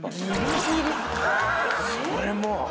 それもう。